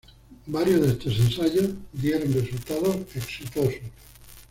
Varios de estos ensayos dieron resultados exitosos.